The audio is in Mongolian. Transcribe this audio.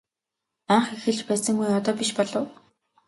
Анх эхэлж байсан үе одоо биш болов.